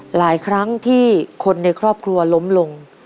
หลายครั้งที่คนในครอบครัวล้มลง